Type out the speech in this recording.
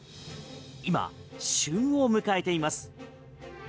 今、旬を迎えています。